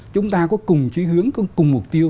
chúng ta có cùng trí hướng cùng mục tiêu